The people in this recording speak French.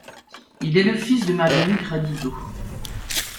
Il est le fils de Marguerite Radideau.